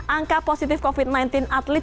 angka positif covid sembilan belas atlet